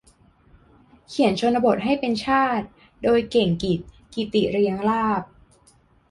"เขียนชนบทให้เป็นชาติ" โดย เก่งกิจ กิติเรียงลาภ